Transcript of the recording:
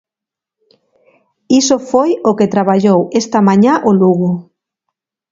Iso foi o que traballou esta mañá o Lugo.